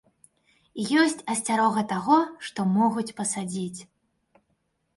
І ёсць асцярога таго, што могуць пасадзіць.